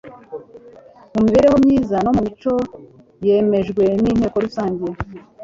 mu mibereho myiza no mu muco yemejwe n'inteko rusange